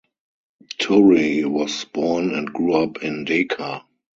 Toure was born and grew up in Dakar.